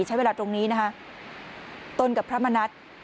ใช้เวลาตรงนี้นะคะต้นกับพระมณัฐ